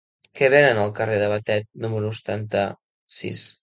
Què venen al carrer de Batet número setanta-sis?